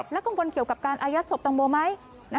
แล้วกังวลเกี่ยวกับการอายัดศพตังโมไหม